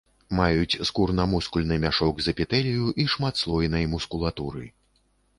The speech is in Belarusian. Маюць скурна-мускульны мяшок з эпітэлію і шматслойнай мускулатуры.